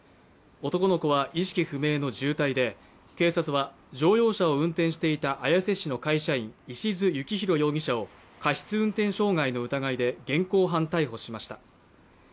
男の子は意識不明の重体で警察は乗用車を運転していた綾瀬市の会社員、石津幸宏容疑者を過失運転傷害の疑いで現行犯逮捕しました。